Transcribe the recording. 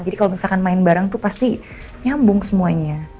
jadi kalau misalkan main bareng tuh pasti nyambung semuanya